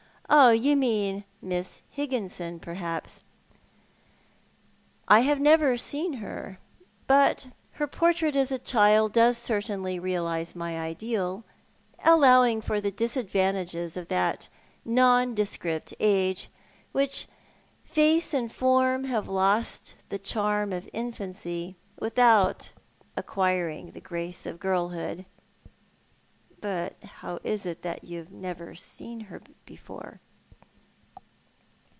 You mean I\Iiss Higginson, perhaps ? I have never seen her, but her portrait as a child does certainly realise my ideal — allowing for the disadvantages of that nonde script age, when face and form have lost the charm of infancy, without acquiring the grace of girlhood." " How is it that you have never bc:3n here before